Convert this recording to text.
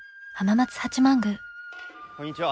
こんにちは。